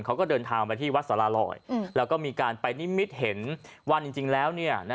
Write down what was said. เขาก็เดินทางไปที่วัดสารลอยแล้วก็มีการไปนิมิตเห็นวันจริงแล้ว